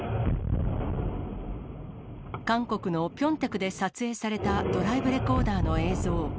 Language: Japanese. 韓国のピョンタクで撮影されたドライブレコーダーの映像。